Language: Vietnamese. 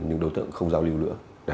nên những đối tượng không giao lưu nữa